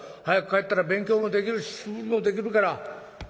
早く帰ったら勉強もできるし素振りもできるから」。